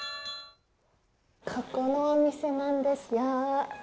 このお店なんですよ。